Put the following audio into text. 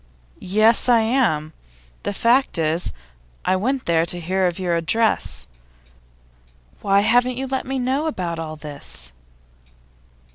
'Yes, I am. The fact is, I went there to hear of your address. Why haven't you let me know about all this?